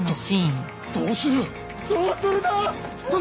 どうするだぁ⁉・殿！